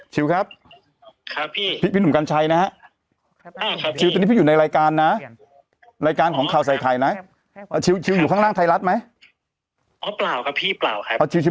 ใช่ไหมล่ะใช่แล้วฉันก็คุยกับมันเรื่องค่าตัว